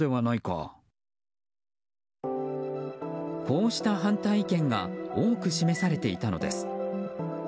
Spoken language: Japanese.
こうした反対意見が多く示されていたのです。